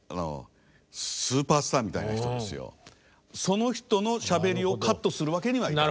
その人のしゃべりをカットするわけにはいかない。